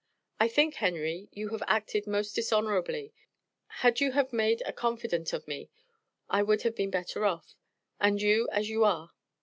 I think Henry, you have acted most dishonorably; had you have made a confidant of me I would have been better off; and you as you are.